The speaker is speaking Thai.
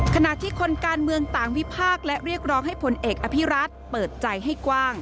ขณะที่คนการเมืองต่างวิพากษ์และเรียกร้องให้ผลเอกอภิรัตน์เปิดใจให้กว้าง